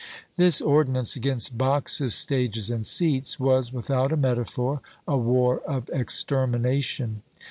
This ordinance against "boxes, stages, and seats," was, without a metaphor, a war of extermination.